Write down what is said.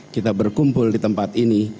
kita berkumpul di tempat ini